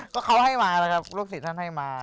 ก็เขาให้มาแล้วครับลูกศิษย์ท่านให้มา